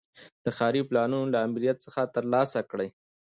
د ښاري پلانونو له آمریت څخه ترلاسه کړي.